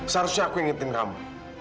seharusnya aku yang ngerti kamu